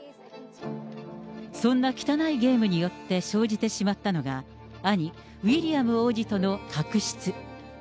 そんな汚いゲームによって生じてしまったのが、兄、ウィリアム王子との確執。